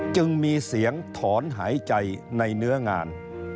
จึงมีเสียงถอนหายใจในเนื้องาน